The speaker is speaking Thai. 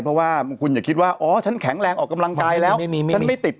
เพราะว่าคุณอย่าคิดว่าอ๋อฉันแข็งแรงออกกำลังกายแล้วฉันไม่ติด